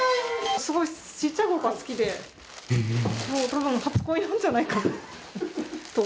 すごくちっちゃいころから好きでもう多分初恋なんじゃないかなと。